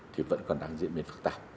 thì vẫn còn đang diễn biến phức tạp